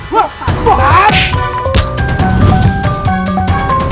jangan mencari mati